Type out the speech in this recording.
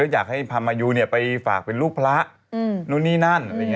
อยากให้พามายูไปฝากเป็นลูกพระเนี่ยนะ